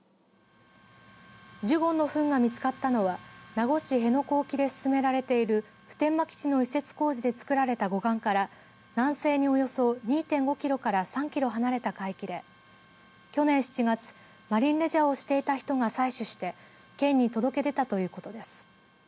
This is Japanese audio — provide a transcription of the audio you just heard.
ジュゴンのふんが見つかったのは名護市辺野古沖で進められている普天間基地の移設工事で造られた護岸から南西におよそ２．５キロから３キロ離れた海域で去年７月、マリンレジャーをしていた人が採取して県に届け出たということです。